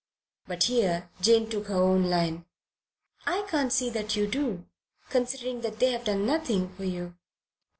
But here Jane took her own line. "I can't see that you do, considering that they've done nothing for you."